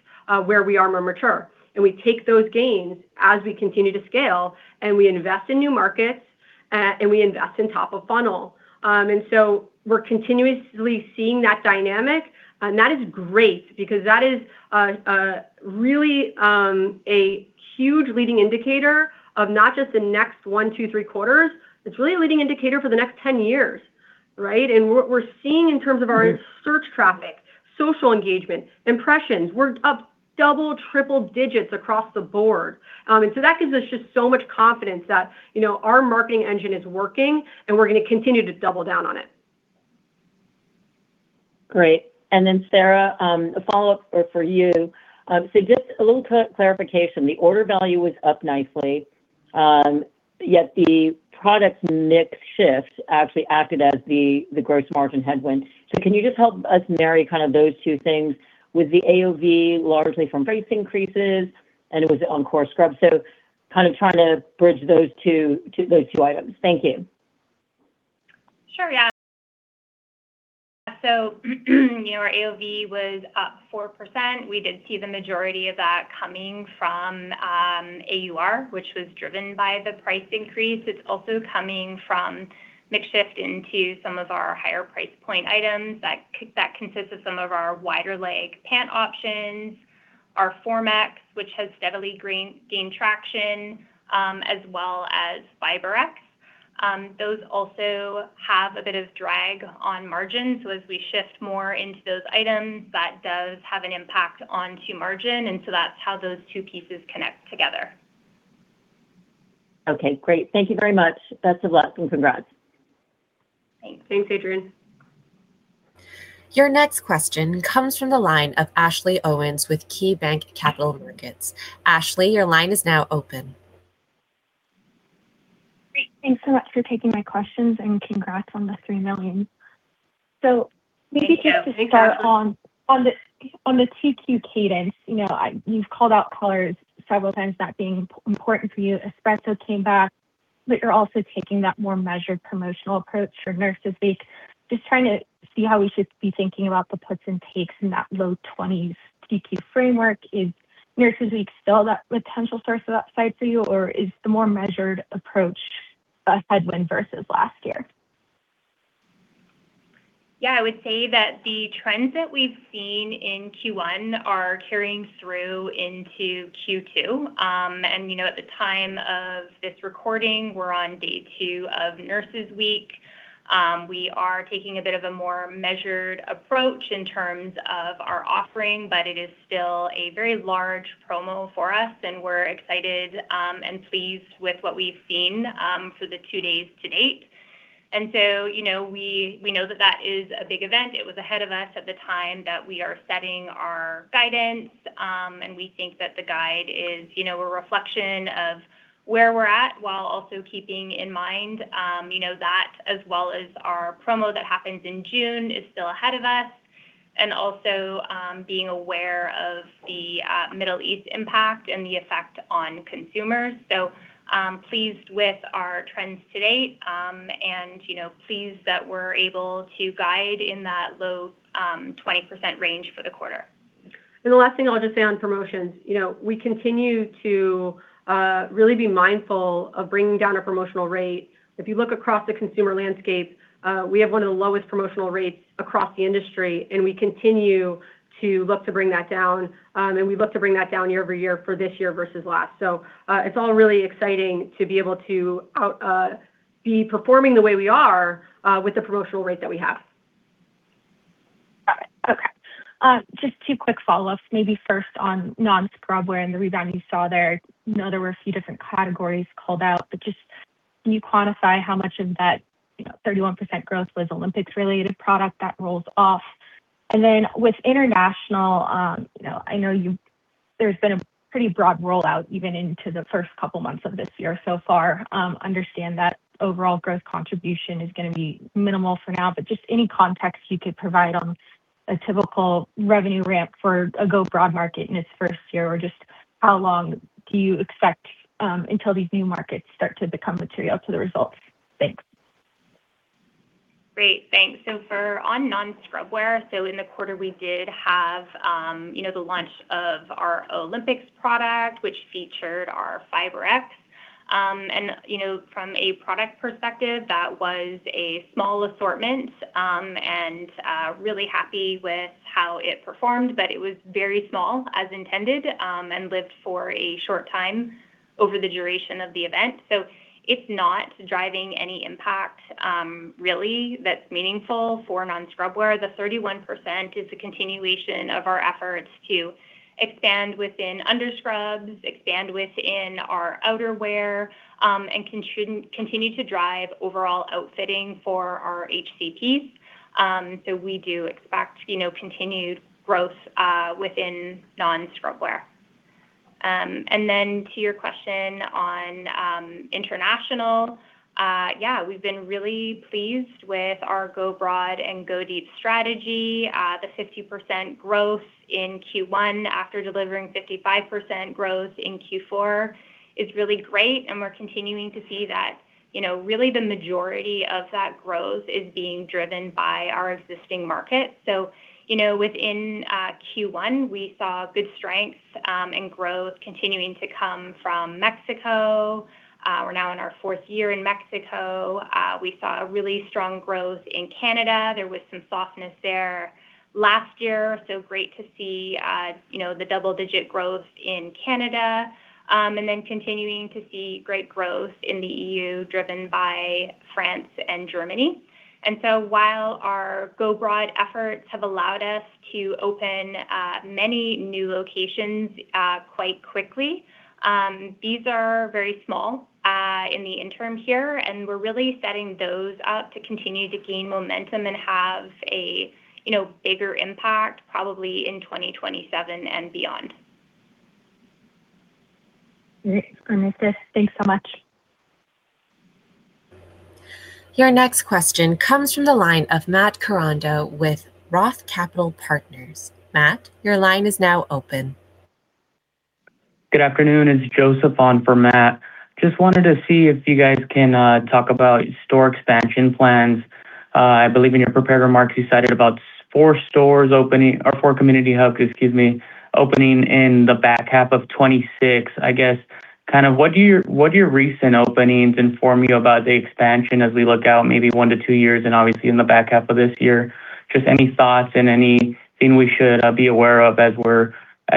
where we are more mature. We take those gains as we continue to scale, and we invest in new markets, and we invest in top of funnel. We're continuously seeing that dynamic, and that is great because that is really a huge leading indicator of not just the next one, two, three quarters. It's really a leading indicator for the next 10 years, right. What we're seeing in terms of our search traffic, social engagement, impressions, we're up double, triple digits across the board. That gives us just so much confidence that, you know, our marketing engine is working, and we're gonna continue to double down on it.
Great. Sarah, a follow-up for you. Just a little clarification. The order value was up nicely, yet the product mix shift actually acted as the gross margin headwind. Can you just help us marry kind of those two things? Was the AOV largely from price increases, and it was on core scrubs? Kind of trying to bridge those two items. Thank you.
Sure, yeah. You know, our AOV was up 4%. We did see the majority of that coming from AUR, which was driven by the price increase. It's also coming from mix shift into some of our higher price point items. That consists of some of our wider leg pant options, our FORMx, which has steadily gained traction, as well as FIBREx. Those also have a bit of drag on margin. As we shift more into those items, that does have an impact onto margin, and so that's how those two pieces connect together.
Okay, great. Thank you very much. Best of luck, and congrats.
Thanks.
Thanks, Adrienne.
Your next question comes from the line of Ashley Owens with KeyBanc Capital Markets. Ashley, your line is now open.
Great. Thanks so much for taking my questions, and congrats on the three million.
Thank you.
Maybe just to start on the, on the 2Q cadence, you know, You've called out colors several times, that being important for you. Espresso came back, but you're also taking that more measured promotional approach for Nurses Week. Just trying to see how we should be thinking about the puts and takes in that low 20s 2Q framework. Is Nurses Week still that potential source of upside for you, or is the more measured approach a headwind versus last year?
Yeah, I would say that the trends that we've seen in Q1 are carrying through into Q2. And you know, at the time of this recording, we're on day two of Nurses Week. We are taking a bit of a more measured approach in terms of our offering, but it is still a very large promo for us, and we're excited and pleased with what we've seen for the two days to date. You know, we know that that is a big event. It was ahead of us at the time that we are setting our guidance, and we think that the guide is, you know, a reflection of where we're at, while also keeping in mind, you know, that as well as our promo that happens in June is still ahead of us. Being aware of the Middle East impact and the effect on consumers. Pleased with our trends to date, and, you know, pleased that we're able to guide in that low 20% range for the quarter.
The last thing I'll just say on promotions. You know, we continue to really be mindful of bringing down a promotional rate. If you look across the consumer landscape, we have one of the lowest promotional rates across the industry, and we continue to look to bring that down. We look to bring that down year-over-year for this year versus last. It's all really exciting to be able to be performing the way we are with the promotional rate that we have.
Got it. Okay. Just two quick follow-ups. Maybe first on non-scrubwear and the rebound you saw there. I know there were a few different categories called out, but just can you quantify how much of that 31% growth was Olympics related product that rolls off? With international, there's been a pretty broad rollout even into the first couple months of this year so far. Understand that overall growth contribution is going to be minimal for now, but just any context you could provide on a typical revenue ramp for a go broad market in its first year, or just how long do you expect until these new markets start to become material to the results? Thanks.
Great, thanks. On non-scrubwear, in the quarter, we did have, you know, the launch of our Winter Olympics product, which featured our FIBREx. And, you know, from a product perspective, that was a small assortment, and really happy with how it performed, but it was very small as intended, and lived for a short time over the duration of the event. It's not driving any impact, really that's meaningful for non-scrubwear. The 31% is a continuation of our efforts to expand within underscrubs, expand within our outerwear, and continue to drive overall outfitting for our HCPs. We do expect, you know, continued growth within non-scrubwear. Then to your question on international, yeah, we've been really pleased with our go broad and go deep strategy. The 50% growth in Q1 after delivering 55% growth in Q4 is really great. We're continuing to see that, you know, really the majority of that growth is being driven by our existing market. You know, within Q1, we saw good strength and growth continuing to come from Mexico. We're now in our fourth year in Mexico. We saw a really strong growth in Canada. There was some softness there last year. Great to see, you know, the double-digit growth in Canada. Continuing to see great growth in the EU, driven by France and Germany. While our go broad efforts have allowed us to open many new locations quite quickly, these are very small in the interim here, and we're really setting those up to continue to gain momentum and have a, you know, bigger impact probably in 2027 and beyond.
Great. Great. Thanks so much.
Your next question comes from the line of Matt Koranda with ROTH Capital Partners. Matt, your line is now open.
Good afternoon. It's Joseph on for Matt. Just wanted to see if you guys can talk about store expansion plans. I believe in your prepared remarks, you cited about four stores opening or four Community Hubs, excuse me, opening in the back half of 2026. I guess kind of what do your, what do your recent openings inform you about the expansion as we look out maybe one to two years and obviously in the back half of this year? Just any thoughts and anything we should be aware of as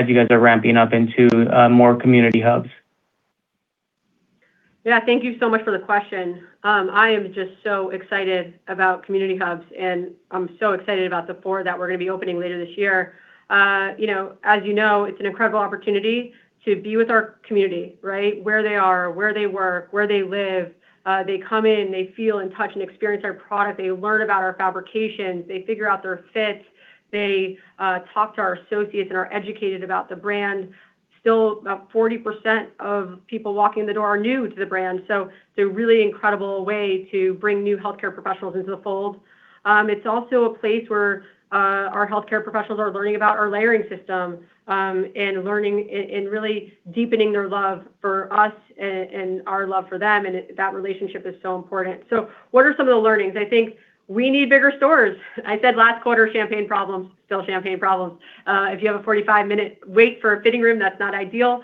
you guys are ramping up into more Community Hubs.
Yeah, thank you so much for the question. I am just so excited about Community Hubs, and I'm so excited about the four that we're gonna be opening later this year. You know, as you know, it's an incredible opportunity to be with our community, right? Where they are, where they work, where they live. They come in, they feel and touch and experience our product. They learn about our fabrication. They figure out their fits. They talk to our associates and are educated about the brand. Still, about 40% of people walking in the door are new to the brand, so it's a really incredible way to bring new healthcare professionals into the fold. It's also a place where our healthcare professionals are learning about our layering system, and learning and really deepening their love for us and our love for them, that relationship is so important. What are some of the learnings? I think we need bigger stores. I said last quarter, champagne problems. Still champagne problems. If you have a 45 minute wait for a fitting room, that's not ideal.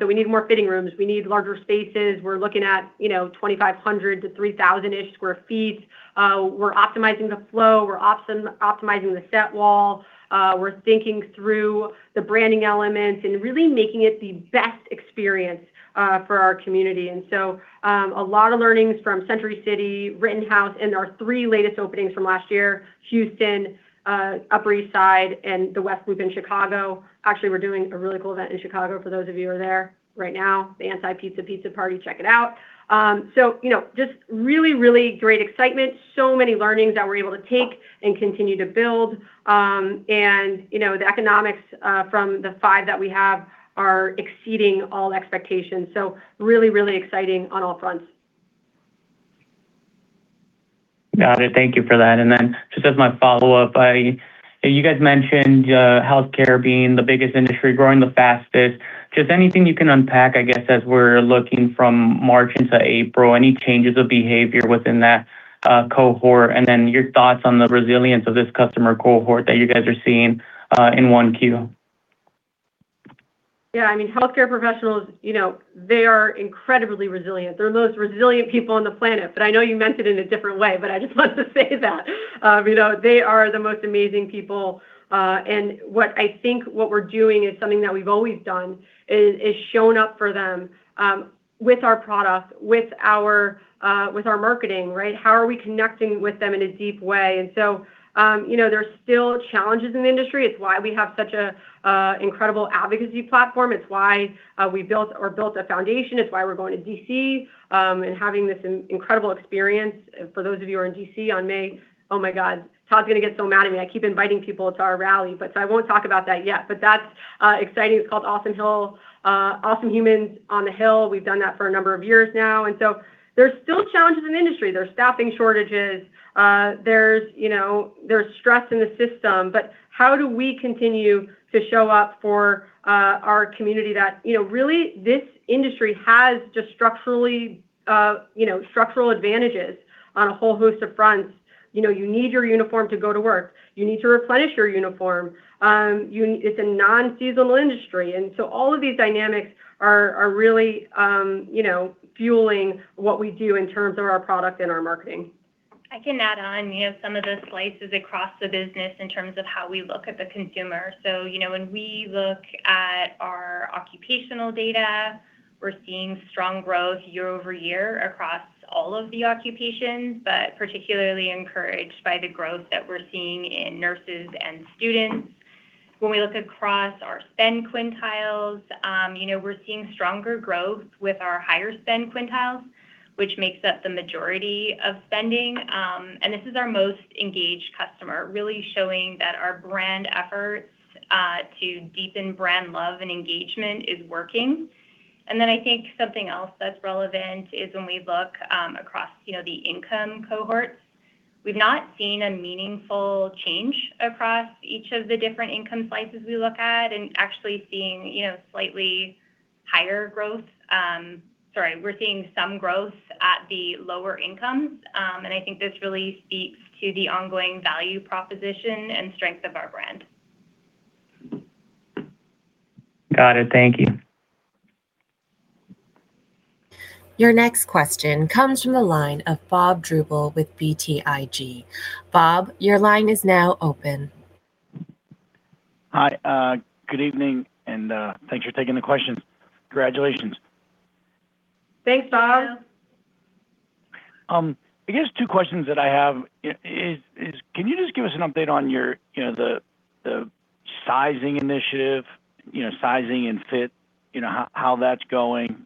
We need more fitting rooms. We need larger spaces. We're looking at, you know, 2,500 to 3,000-ish square feet. We're optimizing the flow. We're optimizing the set wall. We're thinking through the branding elements and really making it the best experience for our community. A lot of learnings from Century City, Rittenhouse, and our three latest openings from last year, Houston, Upper East Side, and the West Loop in Chicago. Actually, we're doing a really cool event in Chicago, for those of you who are there right now, the Anti-Pizza-Party Pizza Party. Check it out. You know, just really, really great excitement. Many learnings that we're able to take and continue to build. You know, the economics from the five that we have are exceeding all expectations. Really, really exciting on all fronts.
Got it. Thank you for that. Just as my follow-up, you guys mentioned healthcare being the biggest industry, growing the fastest. Just anything you can unpack, I guess, as we're looking from March into April, any changes of behavior within that cohort? Your thoughts on the resilience of this customer cohort that you guys are seeing in 1Q.
Yeah, I mean, healthcare professionals, you know, they are incredibly resilient. They're the most resilient people on the planet. I know you meant it in a different way, but I just want to say that. You know, they are the most amazing people. What I think what we're doing is something that we've always done is shown up for them, with our product, with our marketing, right? How are we connecting with them in a deep way? You know, there's still challenges in the industry. It's why we have such a incredible advocacy platform. It's why we built a foundation. It's why we're going to D.C., and having this incredible experience. For those of you who are in D.C., on May. Oh, my God. Todd's gonna get so mad at me. I keep inviting people to our rally. I won't talk about that yet, but that's exciting. It's called Awesome Humans on the Hill. We've done that for a number of years now. There's still challenges in industry. There's staffing shortages. There's, you know, there's stress in the system. How do we continue to show up for our community that, you know, really, this industry has just structurally, you know, structural advantages on a whole host of fronts. You know, you need your uniform to go to work. You need to replenish your uniform. It's a non-seasonal industry. All of these dynamics are really, you know, fueling what we do in terms of our product and our marketing.
I can add on, you know, some of the slices across the business in terms of how we look at the consumer. You know, when we look at our occupational data, we're seeing strong growth year-over-year across all of the occupations, but particularly encouraged by the growth that we're seeing in nurses and students. When we look across our spend quintiles, you know, we're seeing stronger growth with our higher spend quintiles, which makes up the majority of spending. This is our most engaged customer, really showing that our brand efforts to deepen brand love and engagement is working. I think something else that's relevant is when we look, across, you know, the income cohorts, we've not seen a meaningful change across each of the different income slices we look at, and actually seeing, you know, slightly higher growth. Sorry. We're seeing some growth at the lower incomes. I think this really speaks to the ongoing value proposition and strength of our brand.
Got it. Thank you.
Your next question comes from the line of Bob Drbul with BTIG. Bob, your line is now open.
Hi. Good evening and thanks for taking the questions. Congratulations.
Thanks, Bob.
I guess two questions that I have is, can you just give us an update on your, you know, the sizing initiative, you know, sizing and fit, you know, how that's going?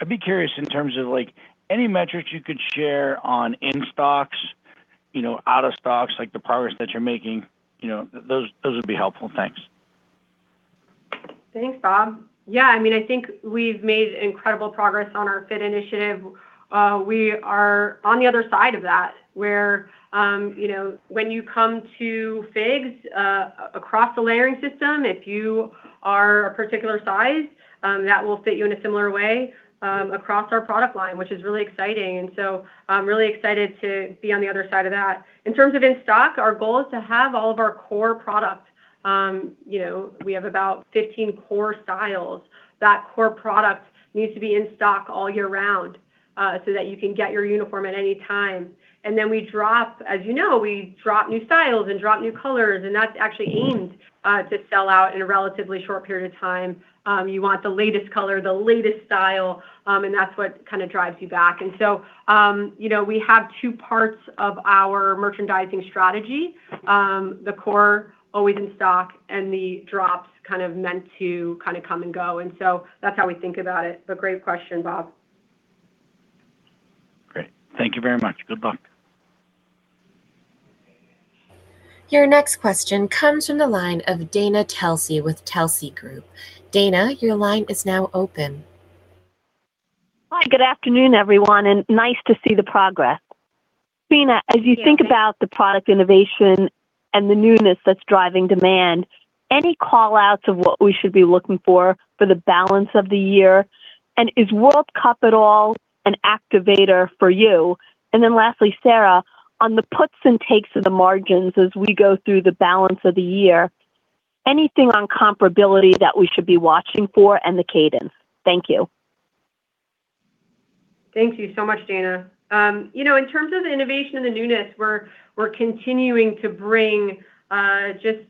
I'd be curious in terms of, like, any metrics you could share on in stocks, you know, out of stocks, like the progress that you're making. You know, those would be helpful. Thanks.
Thanks, Bob. Yeah, I mean, I think we've made incredible progress on our fit initiative. We are on the other side of that, where, you know, when you come to FIGS, across the layering system, if you are a particular size, that will fit you in a similar way, across our product line, which is really exciting. I'm really excited to be on the other side of that. In terms of in stock, our goal is to have all of our core product. You know, we have about 15 core styles. That core product needs to be in stock all year round, so that you can get your uniform at any time. As you know, we drop new styles and drop new colors, and that's actually aimed to sell out in a relatively short period of time. You want the latest color, the latest style, and that's what kinda drives you back. You know, we have two parts of our merchandising strategy. The core always in stock and the drops kind of meant to kind of come and go. That's how we think about it. Great question, Bob.
Great. Thank you very much. Good luck.
Your next question comes from the line of Dana Telsey with Telsey Group. Dana, your line is now open.
Hi, good afternoon, everyone, and nice to see the progress. Trina.
Yeah, thanks.
As you think about the product innovation and the newness that's driving demand, any call-outs of what we should be looking for for the balance of the year? Is World Cup at all an activator for you? Lastly, Sarah, on the puts and takes of the margins as we go through the balance of the year, anything on comparability that we should be watching for and the cadence? Thank you.
Thank you so much, Dana. You know, in terms of innovation and the newness, we're continuing to bring just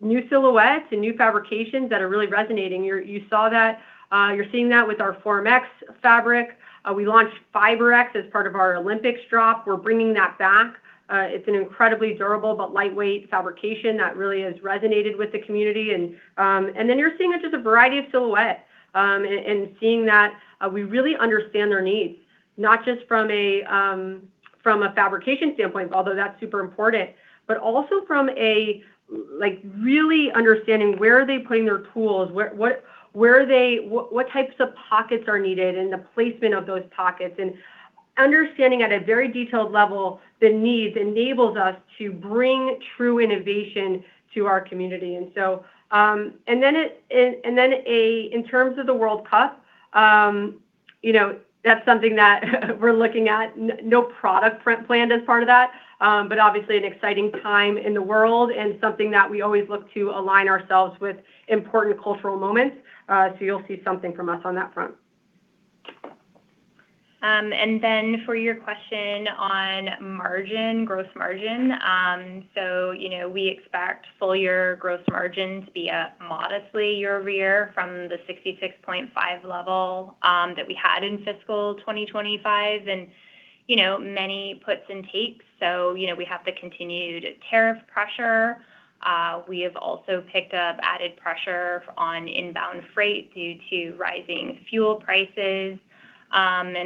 new silhouettes and new fabrications that are really resonating. You're seeing that with our FORMx fabric. We launched FIBREx as part of our Olympics drop. We're bringing that back. It's an incredibly durable but lightweight fabrication that really has resonated with the community. You're seeing just a variety of silhouettes, and seeing that we really understand their needs, not just from a fabrication standpoint, although that's super important, but also from a, like, really understanding where are they putting their tools, what types of pockets are needed, and the placement of those pockets. Understanding at a very detailed level the needs enables us to bring true innovation to our community. In terms of the World Cup, you know, that's something that we're looking at. No product print planned as part of that, but obviously an exciting time in the world, something that we always look to align ourselves with important cultural moments. You'll see something from us on that front.
For your question on margin, gross margin. You know, we expect full year gross margin to be up modestly year-over-year from the 66.5 level that we had in fiscal 2025. You know, many puts and takes. You know, we have the continued tariff pressure. We have also picked up added pressure on inbound freight due to rising fuel prices.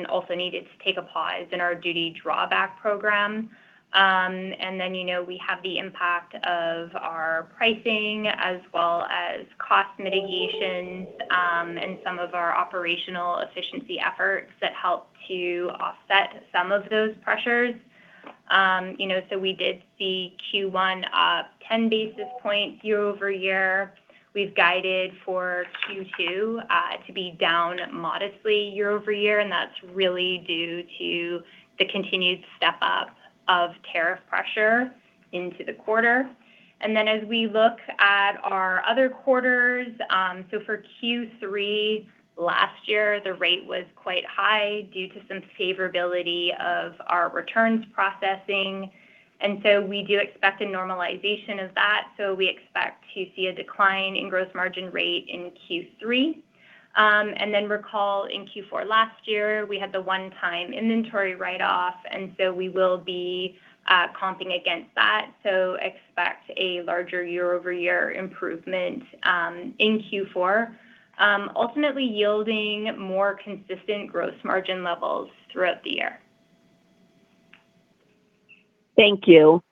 Also needed to take a pause in our duty drawback program. You know, we have the impact of our pricing as well as cost mitigations and some of our operational efficiency efforts that help to offset some of those pressures. You know, we did see Q1 up 10 basis points year-over-year. We've guided for Q2 to be down modestly year-over-year, and that's really due to the continued step up of tariff pressure into the quarter. As we look at our other quarters, for Q3 last year, the rate was quite high due to some favorability of our returns processing. We do expect a normalization of that, so we expect to see a decline in gross margin rate in Q3. Recall in Q4 last year, we had the one-time inventory write-off, and so we will be comping against that. Expect a larger year-over-year improvement in Q4. Ultimately yielding more consistent gross margin levels throughout the year.
Thank you.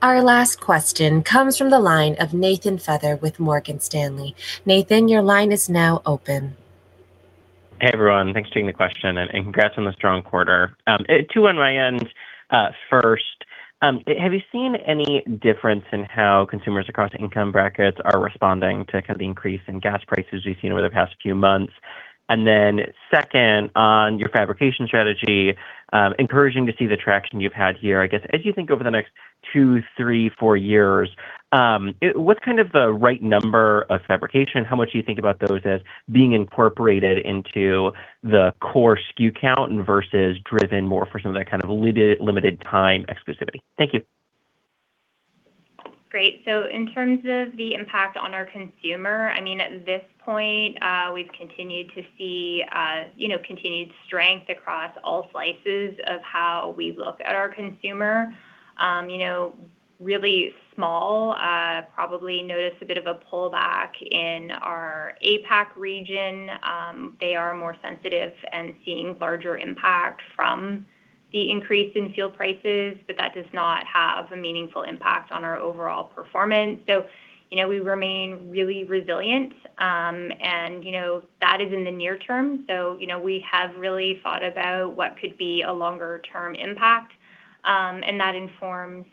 Our last question comes from the line of Nathan Feather with Morgan Stanley. Nathan, your line is now open.
Hey, everyone. Thanks for taking the question, and congrats on the strong quarter. Two on my end. First, have you seen any difference in how consumers across income brackets are responding to kind of the increase in gas prices we've seen over the past few months? Then second, on your fabrication strategy, encouraging to see the traction you've had here. I guess, as you think over the next two, three, four years, what's kind of the right number of fabrication? How much do you think about those as being incorporated into the core SKU count versus driven more for some of that kind of limited time exclusivity? Thank you.
Great. In terms of the impact on our consumer, I mean, at this point, we've continued to see, you know, continued strength across all slices of how we look at our consumer. You know, really small, probably noticed a bit of a pullback in our APAC region. They are more sensitive and seeing larger impact from the increase in fuel prices, but that does not have a meaningful impact on our overall performance. You know, we remain really resilient. You know, that is in the near term. You know, we have really thought about what could be a longer term impact. That informs,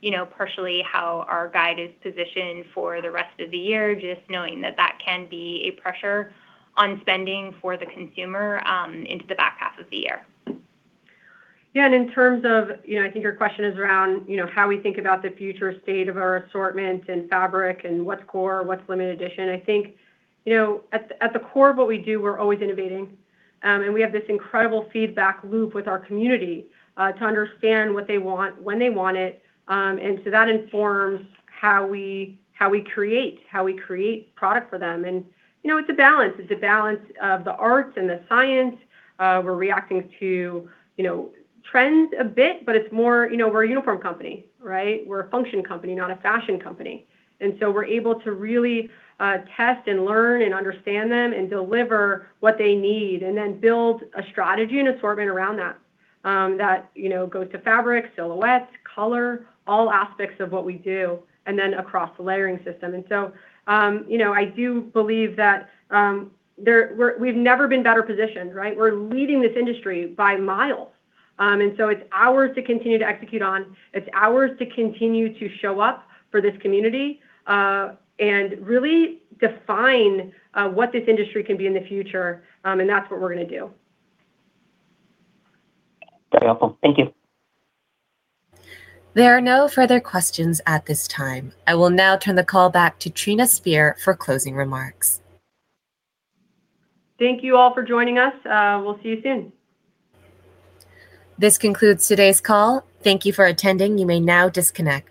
you know, partially how our guide is positioned for the rest of the year, just knowing that that can be a pressure on spending for the consumer into the back half of the year.
Yeah, in terms of, you know, I think your question is around, you know, how we think about the future state of our assortment and fabric and what's core, what's limited edition. I think, you know, at the core of what we do, we're always innovating, and we have this incredible feedback loop with our community to understand what they want, when they want it. That informs how we create product for them. You know, it's a balance. It's a balance of the arts and the science. We're reacting to, you know, trends a bit, but it's more, you know, we're a uniform company, right? We're a function company, not a fashion company. We're able to really test and learn and understand them and deliver what they need, and then build a strategy and assortment around that, you know, goes to fabric, silhouettes, color, all aspects of what we do, and then across the layering system. You know, I do believe that we've never been better positioned, right? We're leading this industry by miles. It's ours to continue to execute on. It's ours to continue to show up for this community and really define what this industry can be in the future. That's what we're gonna do.
Very helpful. Thank you.
There are no further questions at this time. I will now turn the call back to Trina Spear for closing remarks.
Thank you all for joining us. We'll see you soon.
This concludes today's call. Thank you for attending. You may now disconnect.